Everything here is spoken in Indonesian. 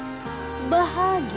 ketika ada bapak kehilanganmu